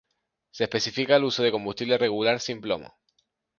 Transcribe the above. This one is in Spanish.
Se especifica el uso de combustible regular sin plomo.